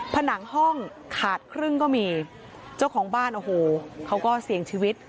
ผนังห้องขาดครึ่งก็มีเจ้าของบ้านโอ้โหเขาก็เสี่ยงชีวิต